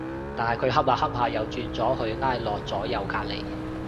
但係佢恰下恰下又轉咗去挨落咗右隔離